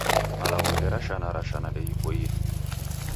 Malagho gherashanarashana ndeghiboie.